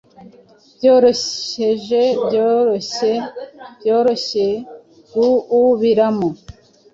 Byoroheje, byorohye, byorohye guubiramo